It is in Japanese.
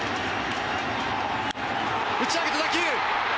打ち上げた打球！